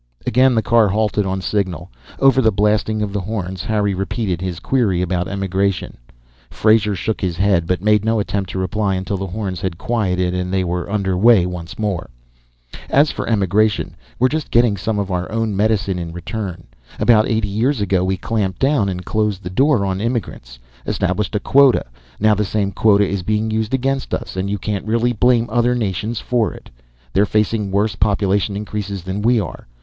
Again the car halted on signal. Over the blasting of the horns, Harry repeated his query about emigration. Frazer shook his head, but made no attempt to reply until the horns had quieted and they were under way once more. "As for emigration, we're just getting some of our own medicine in return. About eighty years ago, we clamped down and closed the door on immigrants; established a quota. Now the same quota is being used against us, and you can't really blame other nations for it. They're facing worse population increases than we are.